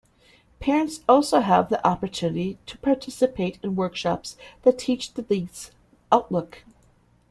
Parents also have the opportunity to participate in workshops that teach the leagues' outlook.